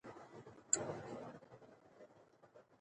لوستې میندې د ماشوم پر روزنه باور لري.